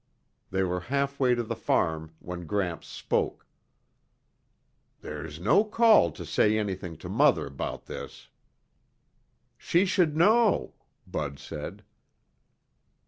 They were halfway to the farm when Gramps spoke, "There's no call to say anything to Mother 'bout this." "She should know," Bud said.